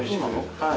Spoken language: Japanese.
はい。